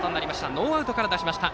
ノーアウトから出しました。